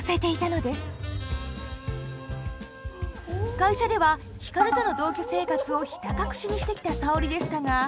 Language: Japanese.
会社では光との同居生活をひた隠しにしてきた沙織でしたが。